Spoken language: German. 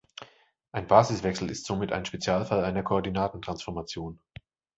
Ein Basiswechsel ist somit ein Spezialfall einer Koordinatentransformation.